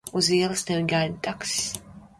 Uz ielas tevi gaida taksis.